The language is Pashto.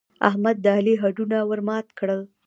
احمد د علي هډونه ور مات کړل.